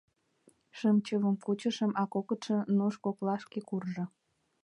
— Шым чывым кучышым, а кокытшо нуж коклашке куржо.